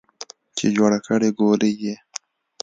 چې جوړه کړې ګولۍ یې